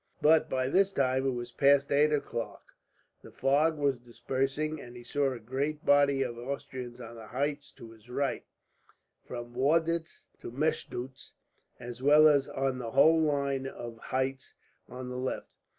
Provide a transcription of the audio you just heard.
But by this time it was past eight o'clock, the fog was dispersing, and he saw a great body of Austrians on the heights to his right, from Waditz to Meschduitz, as well as on the whole line of heights on the left.